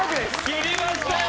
切りましたよ。